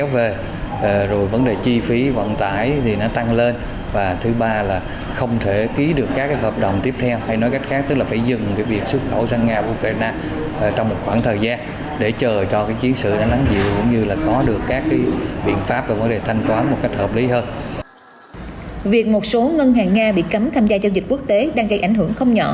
việc một số ngân hàng nga bị cấm tham gia giao dịch quốc tế đang gây ảnh hưởng không nhỏ